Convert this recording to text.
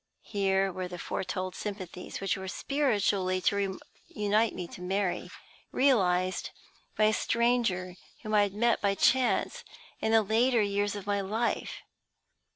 Here were the foretold sympathies which were spiritually to unite me to Mary, realized by a stranger whom I had met by chance in the later years of my life!